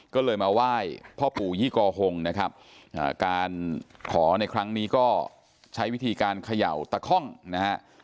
ก็เลยมาไหว้พ่อปู่ยี่กอหงนะครับการขอในครั้งนี้ก็ใช้วิธีการเขย่าตะค่องนะฮะ